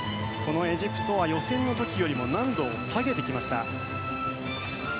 エジプトは予選の時よりも難度を下げてきました。